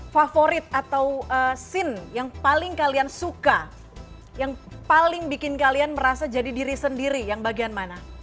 favorit atau scene yang paling kalian suka yang paling bikin kalian merasa jadi diri sendiri yang bagian mana